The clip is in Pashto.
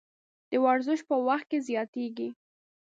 د ورزش په وخت کې زیاتیږي.